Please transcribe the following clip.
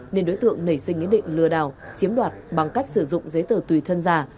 nên đối tượng nảy sinh ý định lừa đảo chiếm đoạt bằng cách sử dụng giấy tờ tùy thân giả